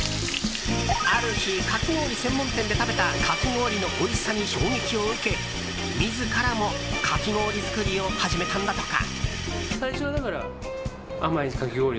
ある日、かき氷専門店で食べたかき氷のおいしさに衝撃を受け自らも、かき氷作りを始めたんだとか。